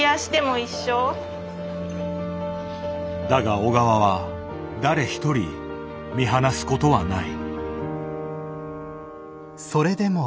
だが小川は誰一人見放すことはない。